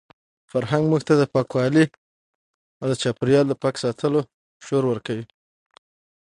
فرهنګ موږ ته د پاکوالي او د چاپیریال د پاک ساتلو شعور ورکوي.